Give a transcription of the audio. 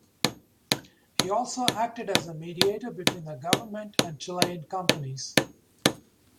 He also acted as a mediator between the government and Chilean companies.